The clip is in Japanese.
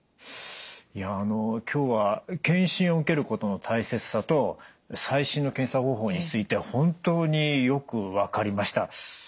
今日は検診を受けることの大切さと最新の検査方法について本当によく分かりました。